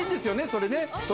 それね。